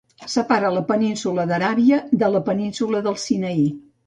Separa la península d'Aràbia de la península del Sinaí.